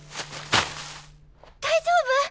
大丈夫！？